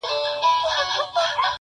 o د مارگير مرگ د ماره وي٫